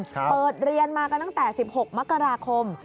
เปิดเรียนมากันตั้งแต่๑๖มกราคม